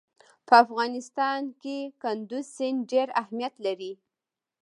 په افغانستان کې کندز سیند ډېر اهمیت لري.